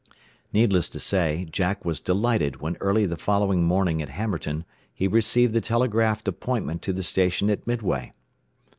Needless to say Jack was delighted when early the following morning at Hammerton he received the telegraphed appointment to the station at Midway.